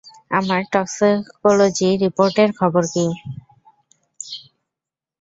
আমার টক্সিকোলজি রিপোর্টের খবর কী?